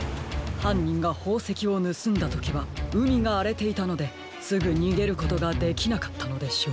はんにんがほうせきをぬすんだときはうみがあれていたのですぐにげることができなかったのでしょう。